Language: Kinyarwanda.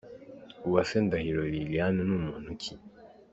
Uwase Ndahiro Liliane ni muntu ki?.